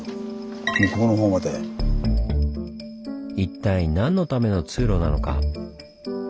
一体何のための通路なのか。